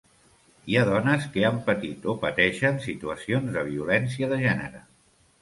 Hi ha dones que han patit o pateixen situacions de violència de gènere.